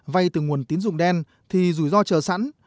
vay từ nguồn tín dụng đen thì rủi ro chờ sẵn